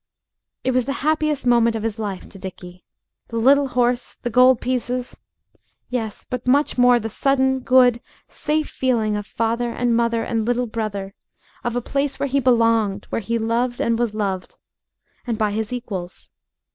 It was the happiest moment of his life to Dickie. The little horse the gold pieces.... Yes, but much more, the sudden, good, safe feeling of father and mother and little brother; of a place where he belonged, where he loved and was loved. And by his equals.